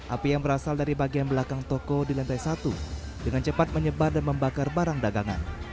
api yang berasal dari bagian belakang toko di lantai satu dengan cepat menyebar dan membakar barang dagangan